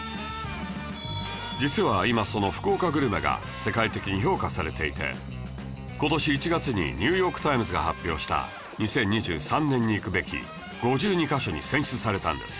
実は今その福岡グルメが世界的に評価されていて今年１月に『ニューヨークタイムズ』が発表した「２０２３年に行くべき５２カ所」に選出されたんです